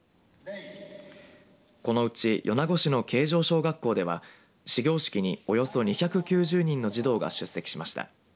このうち米子市の啓成小学校では始業式におよそ２９０人の児童が出席しました。